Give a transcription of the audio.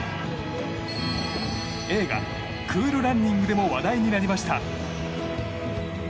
映画「クール・ランニング」でも話題になりました。